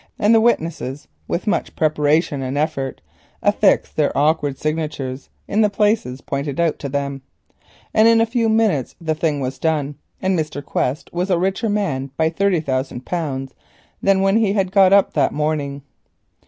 The witnesses with much preparation and effort affixed their awkward signatures in the places pointed out to them, and in a few minutes the thing was done, leaving Mr. Quest a richer man by thirty thousand pounds than when he had got up that morning.